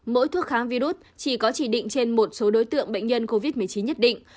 mỗi thuốc kháng virus chỉ có chỉ định trên một số đối tượng bệnh nhân covid một mươi chín nhất định